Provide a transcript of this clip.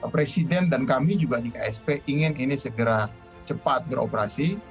presiden dan kami juga di ksp ingin ini segera cepat beroperasi